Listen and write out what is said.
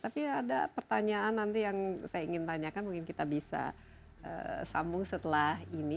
tapi ada pertanyaan nanti yang saya ingin tanyakan mungkin kita bisa sambung setelah ini